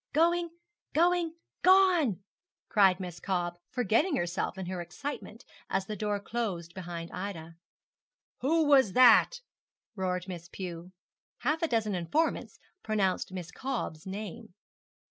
'Going, going, gone!' cried Miss Cobb, forgetting herself in her excitement, as the door closed behind Ida. 'Who was that?' roared Miss Pew. Half a dozen informants pronounced Miss Cobb's name.